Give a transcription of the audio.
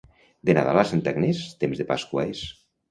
De Nadal a Santa Agnès, temps de Pasqua és.